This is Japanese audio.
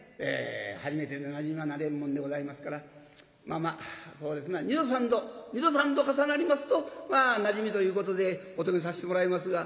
初めてでなじみはなれんもんでございますからまあまあそうですな二度三度二度三度重なりますとまあなじみということでお泊めさせてもらいますが」。